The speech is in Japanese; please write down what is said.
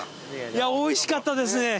いやおいしかったですね。